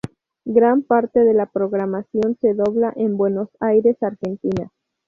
Gran parte de la programación se dobla en Buenos Aires, Argentina.